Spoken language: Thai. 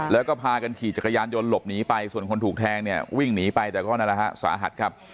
แล้วก็พากันขี่จักรยานยนต์หลบหนีไปส่วนคนถูกแทงเนี่ยวิ่งหนีไปแต่ก็นั่นแหละฮะสาหัสครับ